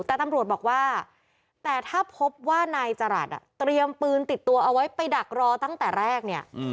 แต่ตำรวจบอกว่าแต่ถ้าพบว่านายจรัสเตรียมปืนติดตัวเอาไว้ไปดักรอตั้งแต่แรกเนี่ย